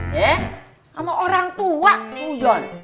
sama orang tua sujon